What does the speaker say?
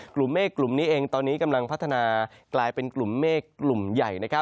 กลุ่มเมฆกลุ่มนี้เองตอนนี้กำลังพัฒนากลายเป็นกลุ่มเมฆกลุ่มใหญ่